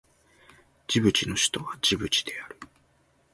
ジブチの首都はジブチである